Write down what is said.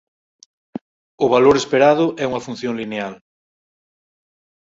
O valor esperado é unha función lineal.